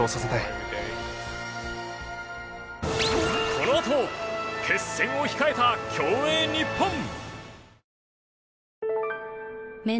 このあと決戦を控えた競泳ニッポン！